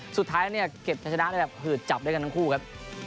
สุดท้ายเนี่ยเก็บจะชนะได้แบบหืดจับด้วยกันทั้งคู่ครับ